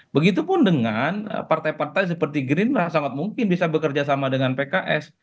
begitupun dengan partai partai seperti gerindra sangat mungkin bisa bekerja sama dengan pks